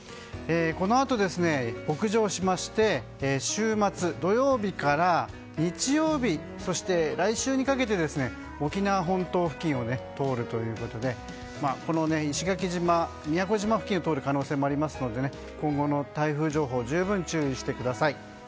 このあと、北上しまして土曜日から日曜日そして来週にかけて沖縄本島付近を通るということで石垣島、宮古島付近を通る可能性があるので今後の台風情報に十分、注意してください。